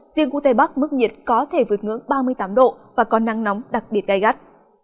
riêng khu tây bắc mức nhiệt có thể vượt ngưỡng ba mươi tám độ và có nắng nóng đặc biệt gai gắt